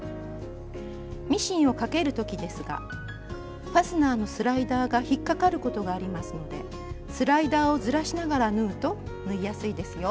ミシンをかける時ですがファスナーのスライダーが引っかかることがありますのでスライダーをずらしながら縫うと縫いやすいですよ。